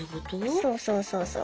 そうそうそうそう。